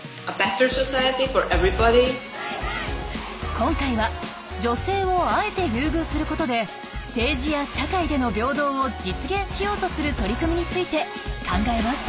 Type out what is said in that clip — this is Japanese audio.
今回は女性をあえて優遇することで政治や社会での平等を実現しようとする取り組みについて考えます。